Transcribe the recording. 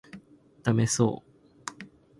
ダメそう